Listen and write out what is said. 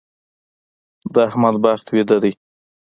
د احمد بخت ويده دی.